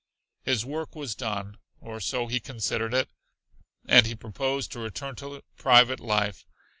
His work was done, or so he considered it, and he proposed to return to private life.